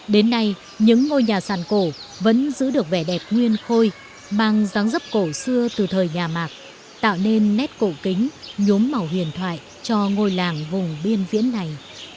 đến nay những ngôi nhà sàn cổ vẫn giữ được vẻ đẹp nguyên khôi mang dáng dấp cổ xưa từ thời nhà mạc tạo nên nét cổ kính nhốm màu huyền thoại cho ngôi làng vùng biên viễn này